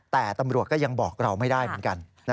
แต่ตำรวจก็ยังบอกเราไม่ได้เหมือนกัน